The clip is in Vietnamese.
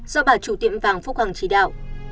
do bà chủ tiệm vàng phúc hằng chỉ đạo